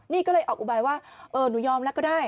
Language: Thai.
นี่ก็เลยออกอุบายว่าเออหนูยอมแล้วก็ได้